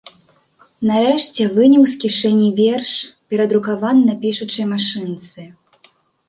Нарэшце выняў з кішэні верш, перадрукаваны на пішучай машынцы.